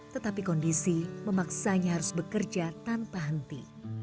tetapi kondisi memaksanya harus bekerja tanpa henti